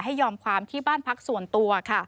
ให้ยอมความที่บ้านพักส่วนตัว